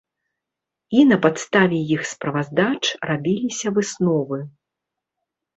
І на падставе іх справаздач рабіліся высновы.